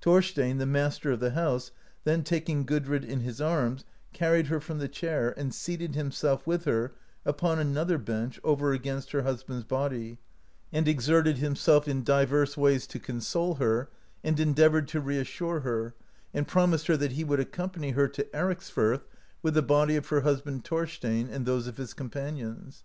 Thorstein, the master of the house, then taking Gudrid in his arms, [carried her] from the chair, and seated himself, with her, upon another bench, over against her husband's body, and exerted himself in 90 THORSTEIN DELIVERS A DEATH MESSAGE divers ways to console her, and endeavoured to reassure her, ajid promised her that he would accompany her to Ericsfirth with the body of her husband, Thorstein, and those of his companions.